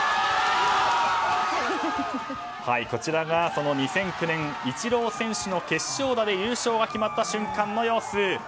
こちらが、２００９年イチロー選手の決勝打で優勝が決まった瞬間の様子。